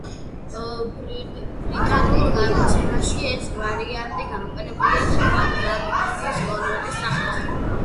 ბრიტანულ გამოცემაში ეს ვარიანტი გამოყენებულია თავად გრამფირფიტის კონვერტის სახით.